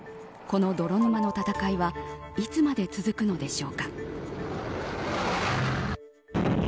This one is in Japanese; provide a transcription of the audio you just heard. この泥沼の戦いはいつまで続くのでしょうか。